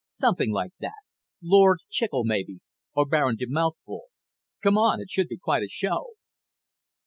"Something like that. Lord Chicle, maybe, or Baron de Mouthful. Come on. It should be quite a show."